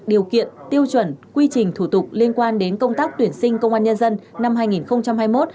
điều kiện tiêu chuẩn quy trình thủ tục liên quan đến công tác tuyển sinh công an nhân dân năm hai nghìn hai mươi một